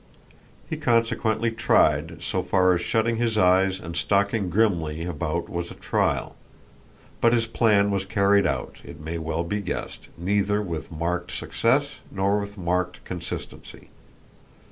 He consequently tried, so far as shutting his eyes and stalking grimly about was a trial; but his plan was carried out, it may well be guessed, neither with marked success nor with marked consistency.